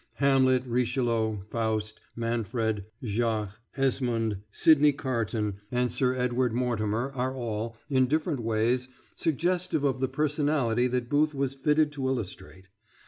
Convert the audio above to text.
Hamlet, Richelieu, Faust, Manfred, Jacques, Esmond, Sydney Carton, and Sir Edward Mortimer are all, in different ways, suggestive of the personality that Booth was fitted to illustrate.